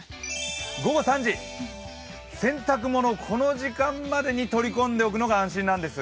午後３時、洗濯物、この時間までに取り込んでおくのが安心なんです。